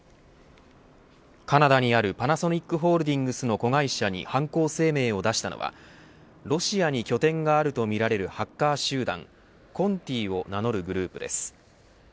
カナダにあるパナソニックホールディングスの子会社に犯行声明を出したのはロシアに拠点があるとみられるハッカー集団Ｃｏｎｔｉを名乗るグループです。